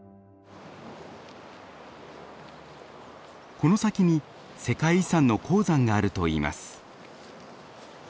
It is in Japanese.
この先に世界遺産の鉱山があるといいます。